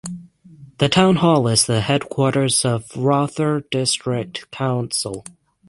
The town hall is the headquarters of Rother District Council.